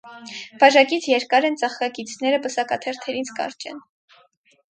Բաժակից երկար են ծաղկակիցները պսակաթերթերից կարճ են։